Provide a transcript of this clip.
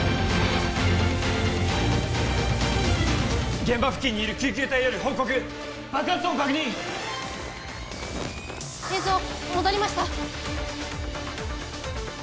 現場付近にいる救急隊より報告爆発音確認映像戻りました